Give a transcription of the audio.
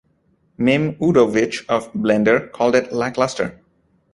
Mim Udovitch of "Blender" called it "lackluster".